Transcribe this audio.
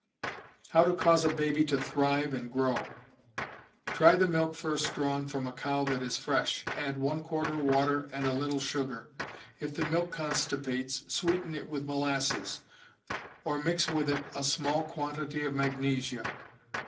How to Cause a Baby to Thrive and Grow. Try the milk first drawn from a cow that is fresh, add one quarter water, and a little sugar. If the milk constipates, sweeten it with molasses, or mix with it a small quantity of magnesia.